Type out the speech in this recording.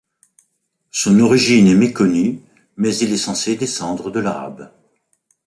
Son origine est méconnue, mais il est censé descendre de l'Arabe.